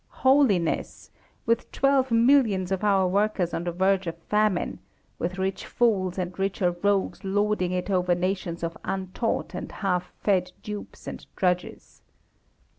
Holiness! With twelve millions of our workers on the verge of famine, with rich fools and richer rogues lording it over nations of untaught and half fed dupes and drudges.